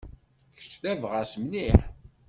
Kečč d abɣas mliḥ.